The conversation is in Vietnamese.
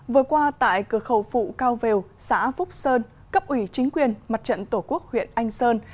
vừa qua tại cửa khẩu phụ cao vèo xã phúc sơn cấp ủy chính quyền mặt trận tổ quốc huyện anh sơn